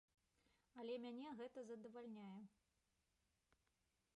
Але мяне гэта задавальняе.